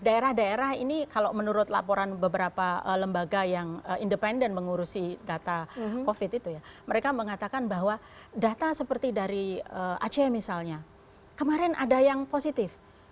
daerah daerah ini kalau menurut laporan beberapa lembaga yang independen mengurusi data covid itu ya mereka mengatakan bahwa data seperti dari aceh misalnya kemarin ada yang positif